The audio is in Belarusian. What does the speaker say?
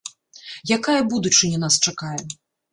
Якая будучыня нас чакае?